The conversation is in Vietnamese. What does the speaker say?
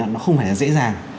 nó không phải là dễ dàng